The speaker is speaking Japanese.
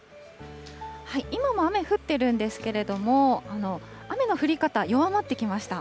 今も雨降ってるんですけれども、雨の降り方、弱まってきました。